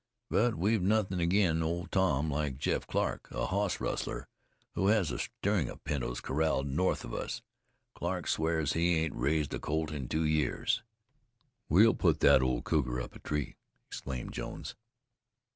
But we've nothin' agin Old Tom like Jeff Clarke, a hoss rustler, who has a string of pintos corraled north of us. Clarke swears he ain't raised a colt in two years." "We'll put that old cougar up a tree," exclaimed Jones.